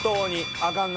あかんな。